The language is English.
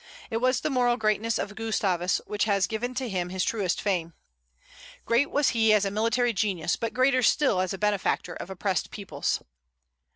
It was the moral greatness of Gustavus which has given to him his truest fame. Great was he as a military genius, but greater still as a benefactor of oppressed peoples.